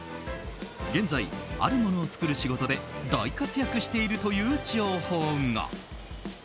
現在、あるものを作る仕事で大活躍しているという情報が。